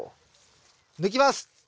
抜きます。